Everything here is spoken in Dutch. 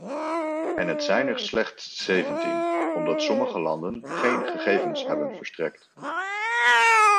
En het zijn er slechts zeventien omdat sommige landen geen gegevens hebben verstrekt.